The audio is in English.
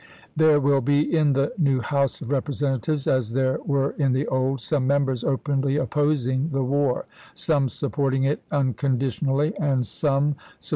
There will be in the new House of Representatives, as there were in the old, some members openly opposing the war, some supporting it unconditionally, and some sup Vol.